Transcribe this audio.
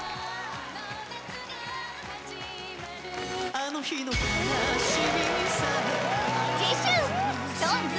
あの日の悲しみさえ次週ＳｉｘＴＯＮＥＳ